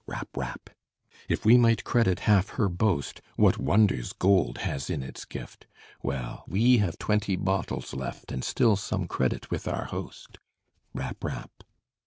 Rap! rap! If we might credit half her boast, What wonders gold has in its gift! Well, we have twenty bottles left And still some credit with our host. Rap! rap!